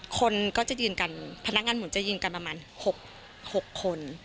คนก็จะยืนกันพนักงานหมุนจะยิงกันประมาณ๖คน